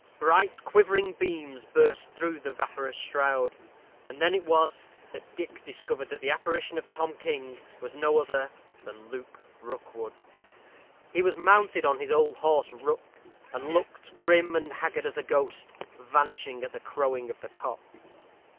Bright quivering beams burst through the vaporous shroud, and then it was that Dick discovered that the apparition of Tom King was no other than Luke Rookwood. He was mounted on his old horse, Rook, and looked grim and haggard as a ghost vanishing at the crowing of the cock.